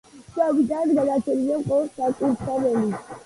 შენობიდან გადარჩენილია მხოლოდ საკურთხეველი.